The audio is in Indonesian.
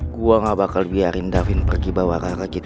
gue ga bakal biarin davin pergi bawa raka gitu aja